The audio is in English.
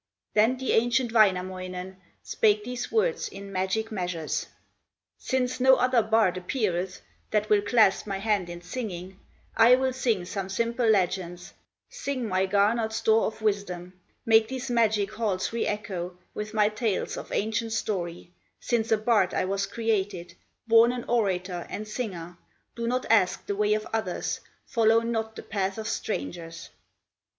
Then the ancient Wainamoinen Spake these words in magic measures: "Since no other bard appeareth That will clasp my hand in singing, I will sing some simple legends, Sing my garnered store of wisdom, Make these magic halls re echo With my tales of ancient story, Since a bard I was created, Born an orator and singer; Do not ask the ways of others, Follow not the paths of strangers."